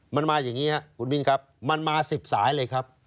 มันมาอย่างนี้ครับคุณมินครับมันมา๑๐สายเลยครับ